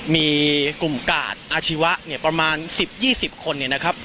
มีกลุ่มกาดอาชีวะเนี่ยประมาณ๑๐๒๐คนเนี่ยนะครับ